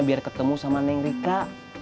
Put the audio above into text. biar ketemu sama neng rika